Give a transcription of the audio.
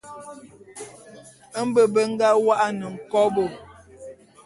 Mbe be nga wô'an nkobô.